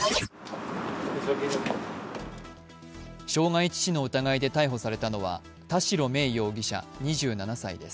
傷害致死の疑いで逮捕されたのは田代芽衣容疑者２７歳です。